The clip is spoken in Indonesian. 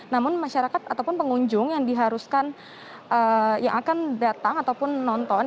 namun masyarakat ataupun pengunjung yang diharuskan yang akan datang ataupun nonton